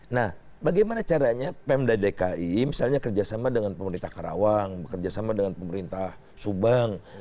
nah bagaimana caranya pm dki misalnya kerjasama dengan pemerintah karawang kerjasama dengan pemerintah subang